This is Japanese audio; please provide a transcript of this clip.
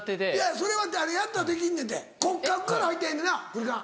それはやったらできんねんって骨格から入ってんねん。なぁクリカン。